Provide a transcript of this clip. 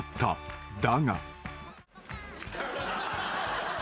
［だが］